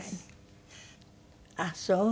ああそう。